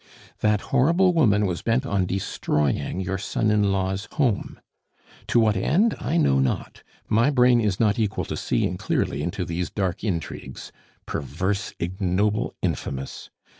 "That horrible woman was bent on destroying your son in law's home. To what end? I know not. My brain is not equal to seeing clearly into these dark intrigues perverse, ignoble, infamous!